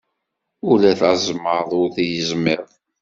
Ula d azmaḍ ur t-yezmiḍ.